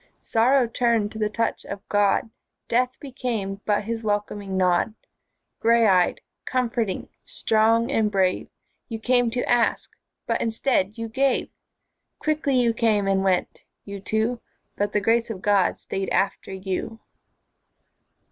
Sorrow turned to the touch of God, Death became but His welcoming nod. Grey eyed, comforting, strong and brave, You came to ask but instead you Quickly you came and went, you two, But the Grace of God stayed after you.